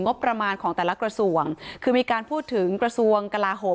งบประมาณของแต่ละกระทรวงคือมีการพูดถึงกระทรวงกลาโหม